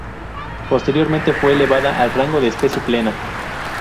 Posteriormente fue elevada al rango de especie plena.